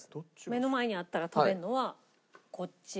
目の前にあったら食べるのはこっち。